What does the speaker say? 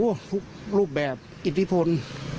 อ้วฮุรูปแบบอิทธิพนธ์